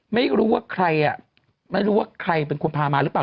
ไม่รู้ว่าใครอ่ะไม่รู้ว่าใครเป็นคนพามาหรือเปล่า